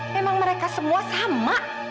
memang mereka semua sama